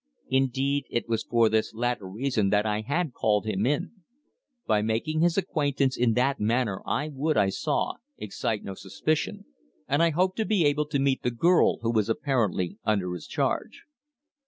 Indeed, it was for this latter reason that I had called him in. By making his acquaintance in that manner I would, I saw, excite no suspicion, and I hoped to be able to meet the girl who was apparently under his charge.